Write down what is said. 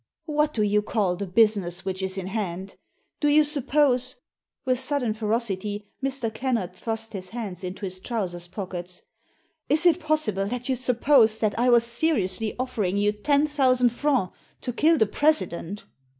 •* What do you call the business which is in hand ? Do you suppose "— ^with sudden ferocity Mr. Kennard thrust his hands into his trousers pockets — "Is it possible that you suppose that I was seriously offering you ten thousand francs to kill the President